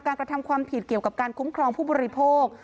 กระทำความผิดเกี่ยวกับการคุ้มครองผู้บริโภค